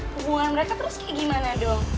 hubungan mereka terus kayak gimana dong